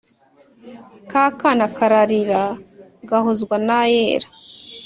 Ka kana kararira gahozwa n’ayera